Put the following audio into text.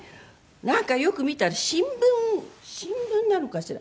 なんかよく見たら新聞新聞なのかしら？